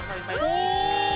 お！